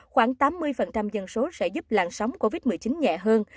khoảng tám mươi dân số sẽ giúp làn sóng covid một mươi chín nhẹ hơn